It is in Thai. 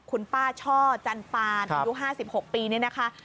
คุณป้าช่อจันปานอายุ๕๖ปีนี่นะคะ